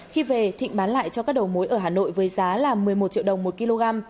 khi về thịnh bán lại cho các đầu mối ở hà nội với giá là một mươi một triệu đồng một kg